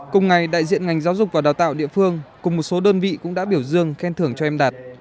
cùng ngày đại diện ngành giáo dục và đào tạo địa phương cùng một số đơn vị cũng đã biểu dương khen thưởng cho em đạt